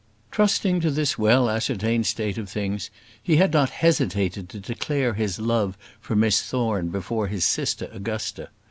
Trusting to this well ascertained state of things, he had not hesitated to declare his love for Miss Thorne before his sister Augusta.